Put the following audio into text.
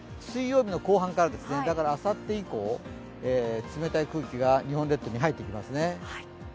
水曜日の後半から、だからあさって以降、冷たい空気が日本列島に入ってきますね。